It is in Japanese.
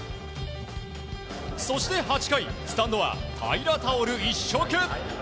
そして、８回スタンドは平良タオル一色。